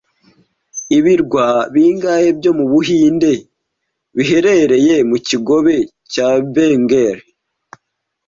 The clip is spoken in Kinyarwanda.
Ibirwa bingahe byo mu Buhinde biherereye mu kigobe cya Bengal